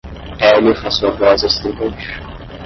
Hélio faz sua voz estridente.